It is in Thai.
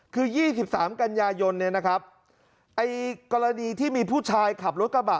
คือ๒๓กันยายนเนี่ยนะครับไอ้กรณีที่มีผู้ชายขับรถกระบะ